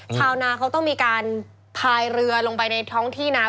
ชาวนาเขาต้องมีการพายเรือลงไปในท้องที่น้ำ